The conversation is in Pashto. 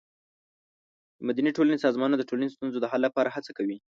د مدني ټولنې سازمانونه د ټولنیزو ستونزو د حل لپاره هڅه کوي.